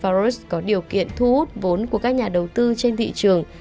paros có điều kiện thu hút vốn của các nhà đầu tư trên thị trường